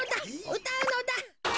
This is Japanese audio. うたうのだ。